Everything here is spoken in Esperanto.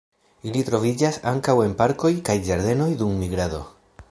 Ili troviĝas ankaŭ en parkoj kaj ĝardenoj dum migrado.